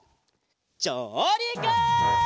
じょうりく！